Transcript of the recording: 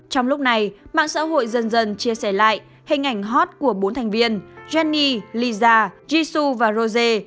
trong lúc này mạng xã hội dần dần chia sẻ lại hình ảnh hot của bốn thành viên jenny lisa jisoo và rose